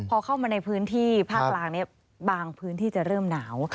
พอเข้ามาในพื้นที่ภาคกลางนี้บางพื้นที่จะเริ่มหนาว